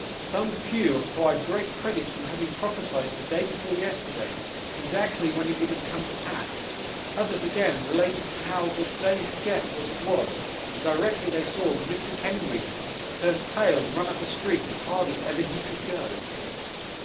Some few acquired great credit from having prophesied, the day before yesterday, exactly when it would come to pass; others, again, related, how that they guessed what it was, directly they saw Mr. Kenwigs turn pale and run up the street as hard as ever he could go.